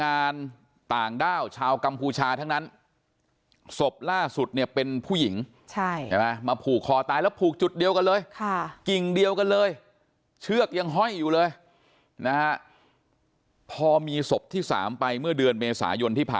มาสะกดวิญญาณที่ต้นว่าอาถรรภ์ต้นนี้ค่ะอ่าเดี๋ยวไปดูนะฮะ